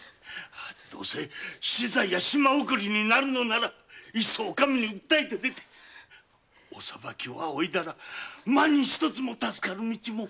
どうせ死罪や島送りになるのならいっそお上に訴えてお裁きを仰いだら万に一つは助かる道も。